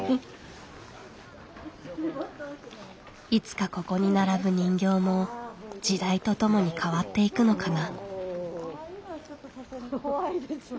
いつかここに並ぶ人形も時代とともに変わっていくのかな。